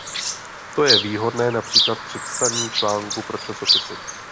To je výhodné například při psaní článku pro časopisy.